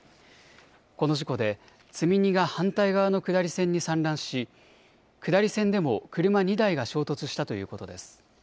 この事故で積み荷が反対側の下り線に散乱し下り線でも車２台が衝突したということです。